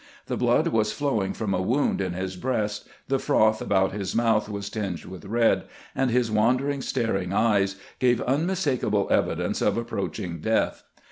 The blood was flowing from a wound in his breast, the froth about his mouth was tinged with red, and his wander ing, staring eyes gave unmistakable evidence of ap proaching death.